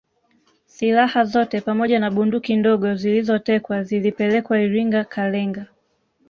Silaha zote pamoja na bunduki ndogo zilizotekwa zilipelekwa Iringa Kalenga